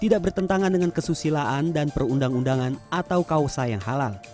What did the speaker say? tidak bertentangan dengan kesusilaan dan perundang undangan atau kausa yang halal